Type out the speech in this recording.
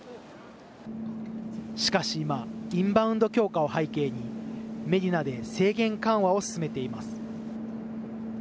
しかし今、インバウンド強化を背景に、メディナで制限緩和を進めています。